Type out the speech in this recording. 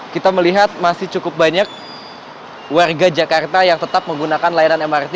kita melihat masih cukup banyak warga jakarta yang tetap menggunakan layanan mrt